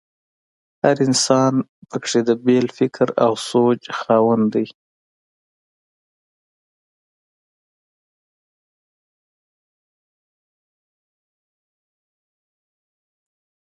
هر انسان په کې د بېل فکر او سوچ خاوند وي.